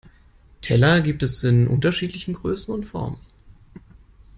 Teller gibt es in unterschiedlichen Größen und Formen.